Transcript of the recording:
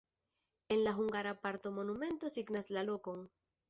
En la hungara parto monumento signas la lokon.